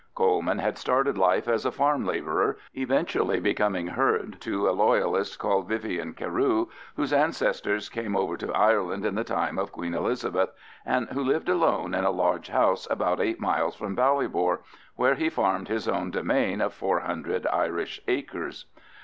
Coleman had started life as a farm labourer, eventually becoming herd to a Loyalist called Vyvian Carew, whose ancestors came over to Ireland in the time of Queen Elizabeth, and who lived alone in a large house about eight miles from Ballybor, where he farmed his own demesne of four hundred Irish acres.